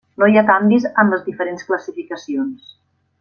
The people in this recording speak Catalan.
No hi ha canvis en les diferents classificacions.